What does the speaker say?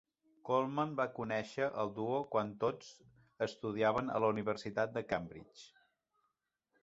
Colman va conèixer el duo quan tots estudiaven a la Universitat de Cambridge.